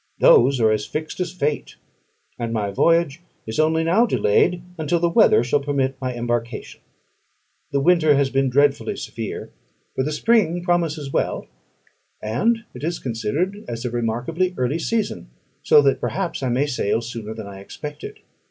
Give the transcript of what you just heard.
Those are as fixed as fate; and my voyage is only now delayed until the weather shall permit my embarkation. The winter has been dreadfully severe; but the spring promises well, and it is considered as a remarkably early season; so that perhaps I may sail sooner than I expected.